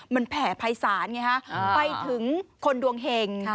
มันแผ่ภัยศาลไงฮะไปถึงคนดวงเห็ง